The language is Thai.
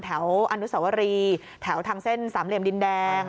อนุสวรีแถวทางเส้นสามเหลี่ยมดินแดง